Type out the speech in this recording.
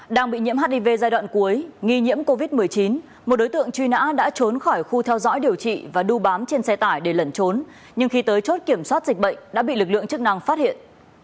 đang bị nhiễm hiv giai đoạn cuối nghi nhiễm covid một mươi chín một đối tượng truy nã đã trốn khỏi khu theo dõi điều trị và đu bám trên xe tải để lẩn trốn nhưng khi tới chốt kiểm soát dịch bệnh đã bị lực lượng chức năng phát hiện